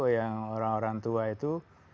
yang orang orang tua itu